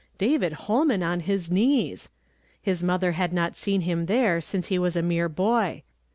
David Holman on his knees ! His mother had not seen him there since he was a mere boy.